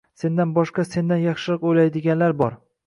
Sendan boshqa, sendan yaxshiroq o‘ylaydiganlar bor.